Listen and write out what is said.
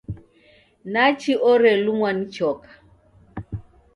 Nachi orelumwa ni choka!